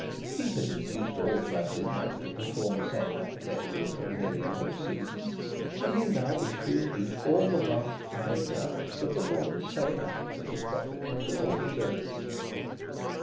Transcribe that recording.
He had induced all Llandudno to perform the same act daily for nearly a whole season, and he now wished to induce all the vast Five Towns to perform the same act to his profit for all eternity.